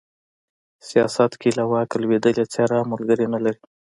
سياست کې له واکه لوېدلې څېره ملگري نه لري